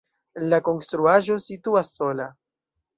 La konstruaĵo situas sola.